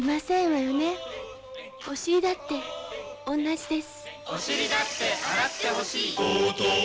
お尻だって同じです。